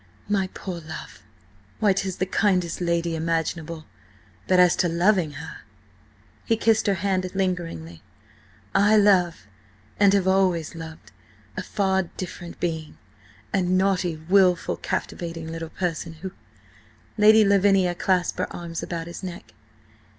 "My poor love! Why, 'tis the kindest lady imaginable, but as to loving her—!" He kissed her hand lingeringly. "I love–and have always loved–a far different being: a naughty, wilful, captivating little person, who—" Lady Lavinia clasped her arms about his neck.